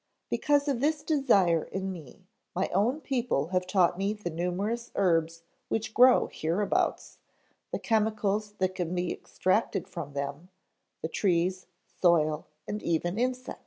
"Because of this desire in me, my own people have taught me the numerous herbs which grow hereabouts, the chemicals that can be extracted from them, the trees, soil, and even insects.